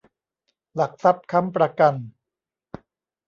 หลักทรัพย์ค้ำประกัน